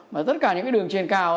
mà tất cả những cái đường trên cao